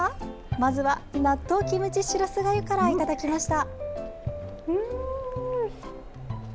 まずは納豆キムチしらすがゆからいただきました。